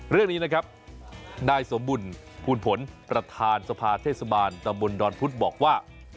เรื่องนี้นะครับนายสมบุญภูลผลประธานสภาเทศบาลตำบลดอนพุธบอกว่า